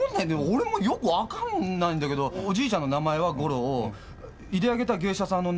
俺もよく分かんないんだけどおじいちゃんの名前は五郎入れ揚げた芸者さんの名前がき菊奴。